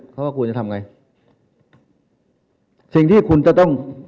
เขาก็ควรจะทำไงสิ่งที่คุณจะต้อง